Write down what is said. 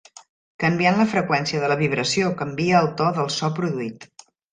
Canviant la freqüència de la vibració canvia el to del so produït.